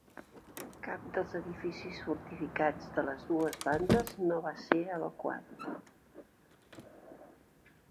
Cap dels edificis fortificats de les dues bandes no va ser evacuat